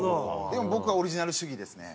でも僕はオリジナル主義ですね。